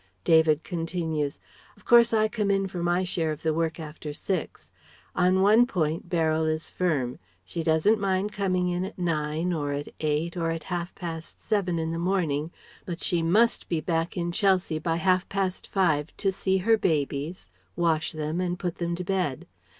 David continues: "Of course I come in for my share of the work after six. On one point Beryl is firm; she doesn't mind coming at nine or at eight or at half past seven in the morning, but she must be back in Chelsea by half past five to see her babies, wash them and put them to bed.